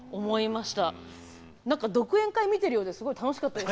何か独演会見てるようですごい楽しかったです。